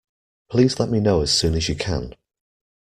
Please let me know as soon as you can